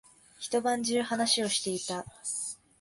一晩中話をしていた。